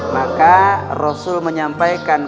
maka rasul menyampaikan